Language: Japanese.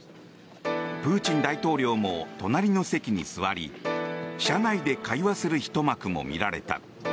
プーチン大統領も隣の席に座り車内で会話するひと幕も見られた。